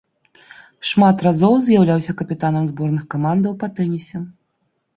Шмат разоў з'яўляўся капітанам зборных камандаў па тэнісе.